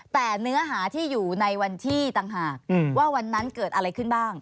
แต่เนื้อหาที่อยู่ในวันที่ต่างหากว่าวันนั้นเกิดอะไรขึ้นบ้าง